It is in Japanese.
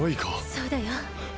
そうだよ。